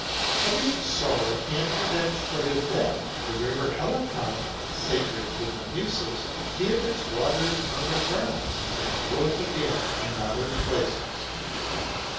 But, in sorrow and revenge for his death, the River Helicon, sacred to the Muses, hid its waters under ground, and rose again in other places.